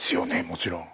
もちろん。